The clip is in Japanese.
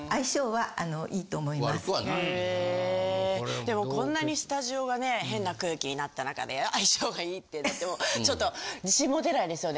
でもこんなにスタジオがね変な空気になった中で相性がいいってなってもちょっと自信もてないですよね。